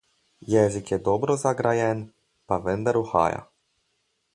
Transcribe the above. Jezik je dobro zagrajen, pa vendar uhaja.